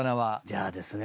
じゃあですね。